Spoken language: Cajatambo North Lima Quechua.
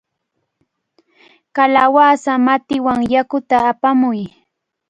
¡Kalawasa matiwan yakuta apamuy!